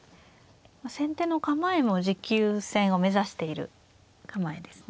先手の構えも持久戦を目指している構えですね。